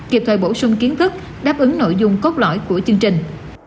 kịp thời bổ sung kiến thức đáp ứng nội dung cốt lõi của chương trình